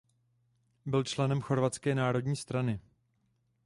Byl členem Chorvatské národní strany.